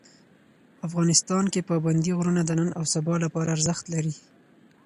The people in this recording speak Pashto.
افغانستان کې پابندي غرونه د نن او سبا لپاره ارزښت لري.